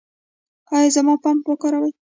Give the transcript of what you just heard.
ایا زه باید پمپ وکاروم؟